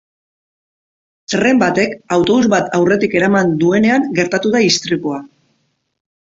Tren batek autobus bat aurretik eraman duenean gertatu da istripua.